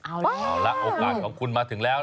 เอาละโอกาสของคุณมาถึงแล้ว